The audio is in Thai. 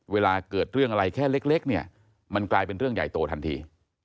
เวลาเกิดเรื่องอะไรแค่เล็กเนี่ยมันกลายเป็นเรื่องใหญ่โตทันที